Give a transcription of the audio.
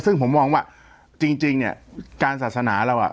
ซึ่งผมมองว่าจริงเนี่ยการศาสนาเราอ่ะ